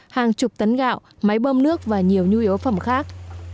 hàng chục tấn gạo máy bơm nước và nhiều nhu yếu phẩm khác